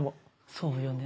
そうよね。